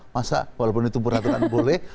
masa walaupun itu peraturan boleh